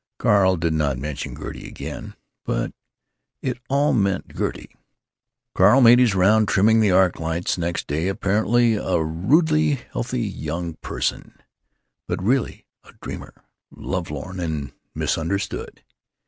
Carl did not mention Gertie again. But it all meant Gertie. Carl made his round trimming the arc lights next day, apparently a rudely healthy young person, but really a dreamer love lorn and misunderstood.